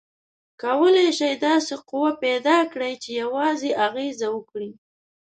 کولی شئ داسې قوه پیداکړئ چې یوازې اغیزه وکړي؟